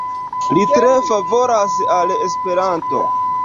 Li tre favoras al Esperanto.